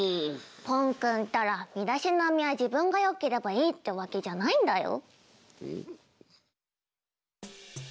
ぽんくんったら身だしなみは自分がよければいいってわけじゃないんだよ。